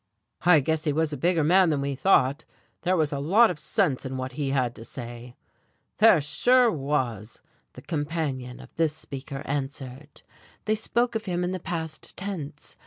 "I guess he was a bigger man than we thought. There was a lot of sense in what he had to say." "There sure was," the companion of this speaker answered. They spoke of him in the past tense.